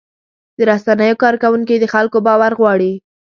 د رسنیو کارکوونکي د خلکو باور غواړي.